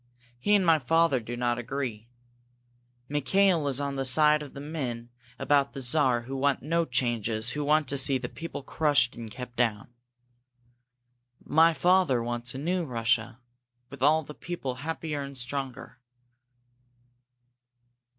He and my father do not agree. Mikail is on the side of the men about the Czar who want no changes, who want to see the people crushed and kept down. My father wants a new Russia, with all the people happier and stronger."